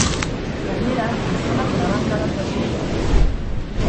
Gainera, gizonak labankada zauriak zituen.